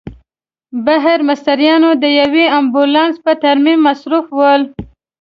بهر مستریان د یوه امبولانس په ترمیم مصروف ول.